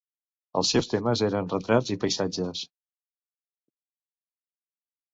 Els seus temes eren retrats i paisatges.